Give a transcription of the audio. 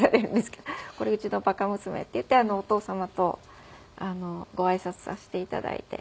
「これうちの馬鹿娘」って言ってお父様とご挨拶させて頂いて。